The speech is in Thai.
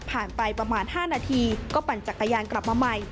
ไปประมาณ๕นาทีก็ปั่นจักรยานกลับมาใหม่